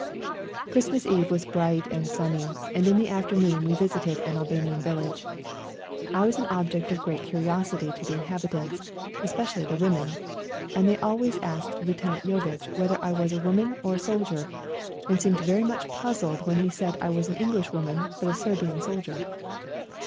Christmas Eve was bright and sunny, and in the afternoon we visited an Al banian village. I was an object of great curiosity to the inhabitants, especially the women, and they always asked Lieut. Jovitch whether I was a woman or a soldier, and seemed very much puzzled when he said I was an Englishwoman but a Serbian soldier.